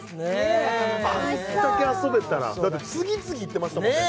楽しそうあんだけ遊べたらだって次々行ってましたもんね